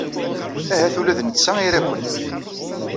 Ahat ula d netta ira-ken.